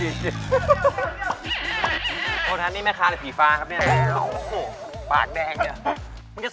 อีกทีก็ไม่มีความรู้สึกว่าข้าจะเป็นใคร